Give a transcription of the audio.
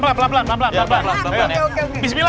pelan pelan pelan